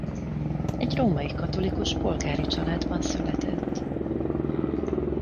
Egy római katolikus polgári családban született.